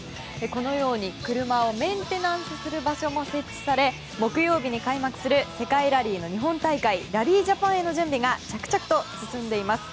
このように車をメンテナンスする場所も設置され木曜日に開幕する世界ラリーの日本大会ラリー・ジャパンへの準備が着々と進んでいます。